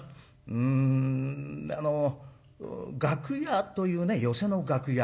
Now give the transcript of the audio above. んあの楽屋というね寄席の楽屋。